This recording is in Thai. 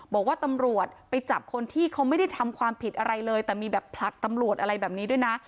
บอกว่าตำรวจไปจับคนที่เขาไม่ได้ทำความผิดอะไรเลยแต่มีแบบผลักตำรวจอะไรแบบนี้ด้วยนะ